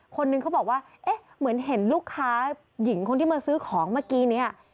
คนนึงเขาบอกว่าเอ๊ะเหมือนเห็นลูกค้าหญิงคนที่มาซื้อของเมื่อกี้เนี่ย